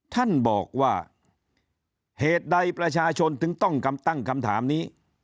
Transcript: ท่านบอกว่าเหตุใดประชาชนถึงต้องกำตั้งคำถามนี้